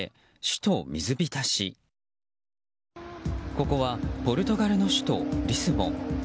ここはポルトガルの首都リスボン。